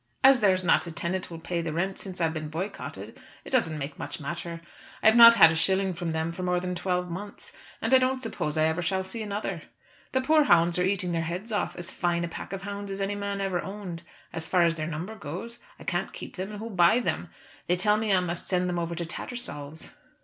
As there is not a tenant will pay the rent since I've been boycotted it doesn't make much matter. I have not had a shilling from them for more than twelve months; and I don't suppose I ever shall see another. The poor hounds are eating their heads off; as fine a pack of hounds as any man ever owned, as far as their number goes. I can't keep them, and who'll buy them? They tell me I must send them over to Tattersall's.